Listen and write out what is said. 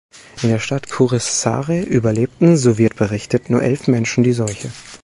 In der Stadt Kuressaare überlebten, so wird berichtet, nur elf Menschen die Seuche.